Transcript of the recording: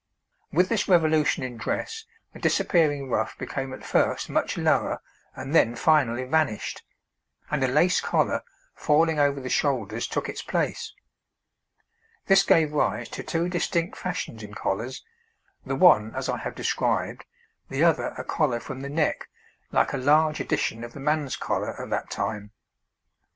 With this revolution in dress the disappearing ruff became at first much lower and then finally vanished, and a lace collar, falling over the shoulders, took its place. This gave rise to two distinct fashions in collars, the one as I have described, the other a collar from the neck, like a large edition of the man's collar of that time.